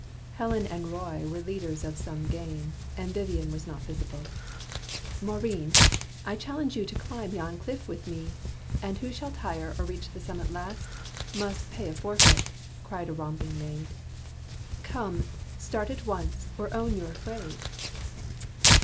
Helen and Roy were leaders of some game, And Vivian was not visible. "Maurine, I challenge you to climb yon cliff with me! And who shall tire, or reach the summit last Must pay a forfeit," cried a romping maid. "Come! start at once, or own you are afraid."